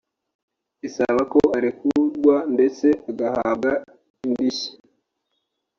isaba ko arekurwa ndetse agahabwa indishyi